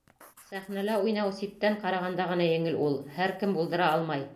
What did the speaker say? Сәхнәлә уйнау -ситтән ҡарағанда ғына еңел ул, һәр кем булдыра алмай...